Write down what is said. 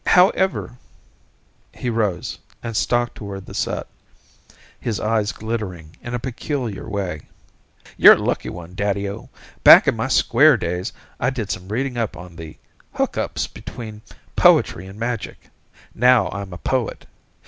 However " He rose, and stalked toward the set, his eyes glittering in a peculiar way. "You're a lucky one, Daddyo. Back in my square days, I did some reading up on the hookups between poetry and magic. Now, I'm a poet.